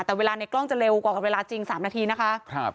แต่เวลาในกล้องจะเร็วกว่าเวลาจริง๓นาทีนะคะ